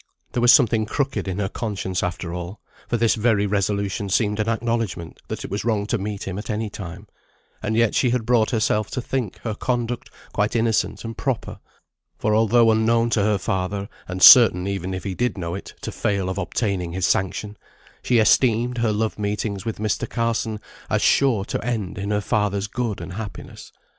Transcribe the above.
There was something crooked in her conscience after all; for this very resolution seemed an acknowledgment that it was wrong to meet him at any time; and yet she had brought herself to think her conduct quite innocent and proper, for although unknown to her father, and certain, even did he know it, to fail of obtaining his sanction, she esteemed her love meetings with Mr. Carson as sure to end in her father's good and happiness.